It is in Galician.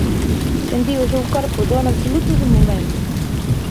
Sentiu o seu corpo dono absoluto do momento.